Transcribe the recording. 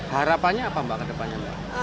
harapannya apa mbak ke depannya mbak